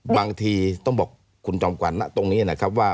บางทีต้องบอกคุณจอมขวัญนะตรงนี้นะครับว่า